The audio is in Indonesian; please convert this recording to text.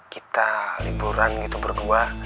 kita liburan gitu berdua